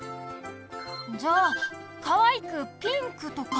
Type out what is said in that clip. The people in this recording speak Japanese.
じゃあかわいくピンクとか？